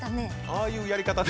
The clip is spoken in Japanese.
ああいうやり方で。